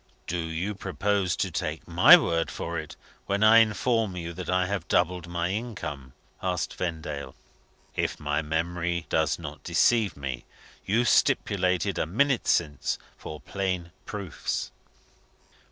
"Do you purpose to take my word for it when I inform you that I have doubled my income?" asked Vendale. "If my memory does not deceive me, you stipulated, a minute since, for plain proofs?"